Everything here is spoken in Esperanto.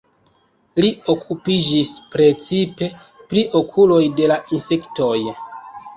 Li okupiĝis precipe pri okuloj de la insektoj.